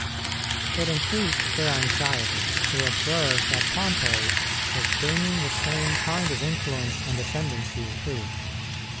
It increased their anxiety to observe that Pompey was gaining the same kind of influence and ascendency, too.